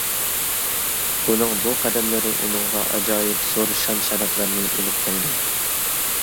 ئۇنىڭ بۇ قەدەملىرى ئۇنىڭغا ئاجايىپ زور شان-شەرەپلەرنى ئېلىپ كەلگەن.